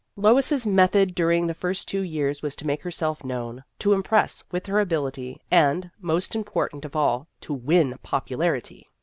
Lois's method during the first two years was to make herself known, to impress with her ability, and most important of all to win popularity.